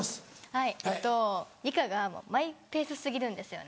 はいえっと梨花がマイペース過ぎるんですよ